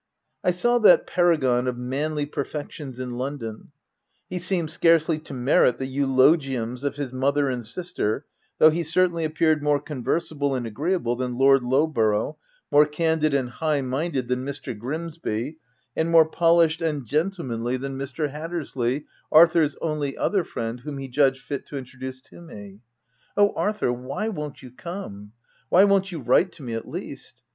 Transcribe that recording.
I saw that paragon of manly perfections in London : he seemed scarcely to merit the eulogiums of his mother and sister, though he certainly appeared more conversable and agreeable than Lord Lowborough, more candid and high minded than Mr. Grimsby, and more polished and gentlemanly than Mr. f3 106 THE TENANT Hattersley, Arthur's only other friend whom he judged fit to introduce to me — O Arthur, why won't you come ! why won't you write to me at least